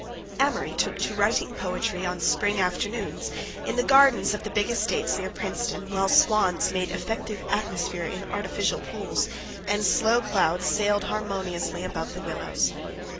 Amory took to writing poetry on spring afternoons, in the gardens of the big estates near Princeton, while swans made effective atmosphere in the artificial pools, and slow clouds sailed harmoniously above the willows.